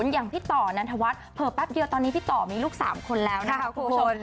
อย่างพี่ต่อนันทวัฒน์เผลอแป๊บเดียวตอนนี้พี่ต่อมีลูก๓คนแล้วนะคะคุณผู้ชม